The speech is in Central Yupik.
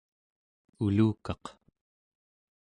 ulukaq